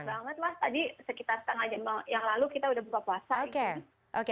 pas banget lah tadi sekitar setengah jam yang lalu kita sudah buka puasa